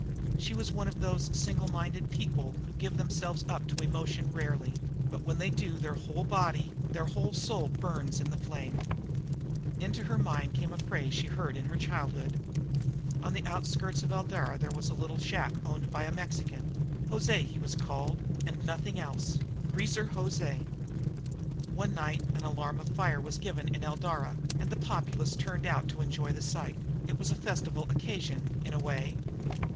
She was one of those single minded people who give themselves up to emotion rarely, but when they do their whole body, their whole soul burns in the flame. Into her mind came a phrase she had heard in her childhood. On the outskirts of Eldara there was a little shack owned by a Mexican José, he was called, and nothing else, "Greaser" José. One night an alarm of fire was given in Eldara, and the whole populace turned out to enjoy the sight; it was a festival occasion, in a way.